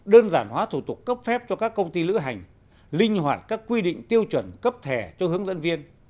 đơn giản hóa thủ tục cấp phép cho các công ty lữ hành linh hoạt các quy định tiêu chuẩn cấp thẻ cho hướng dẫn viên